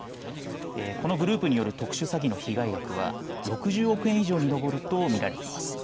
このグループによる特殊詐欺の被害額は６０億円以上に上ると見られています。